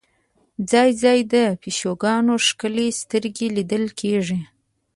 ځای ځای د پیشوګانو ښکلې سترګې لیدل کېږي.